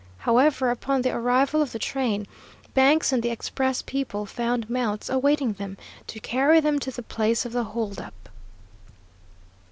However, upon the arrival of the train, Banks and the express people found mounts awaiting them to carry them to the place of the hold up.